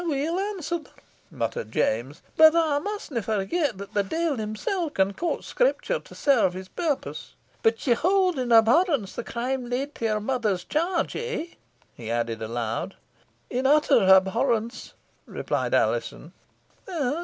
"Weel answered," muttered James, "but I mustna forget, that the deil himsel' can quote Scripture to serve his purpose. But you hold in abhorrence the crime laid to your mother's charge eh?" he added aloud. "In utter abhorrence," replied Alizon.